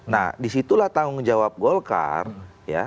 nah disitulah tanggung jawab golkar ya